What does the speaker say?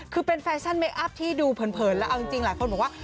คือเป็นแฟชั่นเมคอัพที่ดูเผินแล้วเอาจริงหลายคนบอกว่า